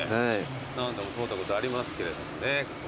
何度も通ったことありますけれどもね。